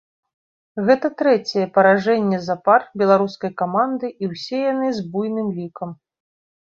Гэта трэцяе паражэнне запар беларускай каманды і ўсе яны з буйным лікам.